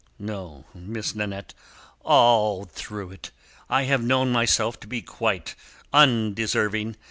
"No, Miss Manette; all through it, I have known myself to be quite undeserving.